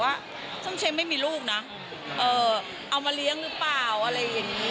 ว่าซึ่งฉันไม่มีลูกนะเออเอามาเลี้ยงหรือเปล่าอะไรอย่างนี้